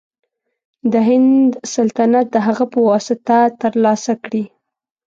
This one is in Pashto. د هند سلطنت د هغه په واسطه تر لاسه کړي.